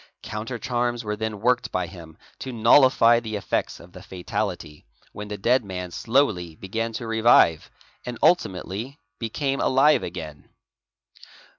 _Counter charms were then worked by him to nullify the effects of the fatality, when the dead man slowly begat to revive, and ultimately became alive again.